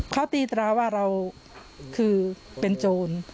เขาตีตราว่าเราคือเป็นโจร